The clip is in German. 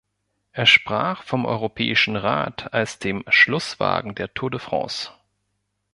Er sprach vom Europäischen Rat als dem "Schlusswagen der Tour de France".